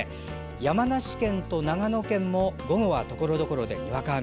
山梨県と長野県も午後はところどころでにわか雨。